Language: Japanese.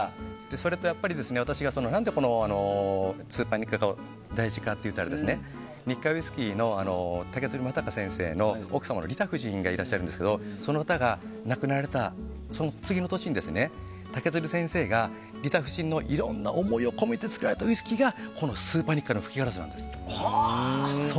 それと、私がなんでスーパーニッカが大事かというとニッカウイスキーの竹鶴先生の夫人がいらっしゃるんですけどその方が亡くなられたその次の年に竹鶴先生の夫人のいろんな思いが込められたウイスキーがこの初号スーパーニッカなんです。